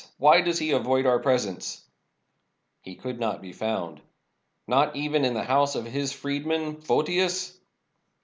Why does he avoid our presence?" "He could not be found." "Not even in the house of his freedman, Photius?"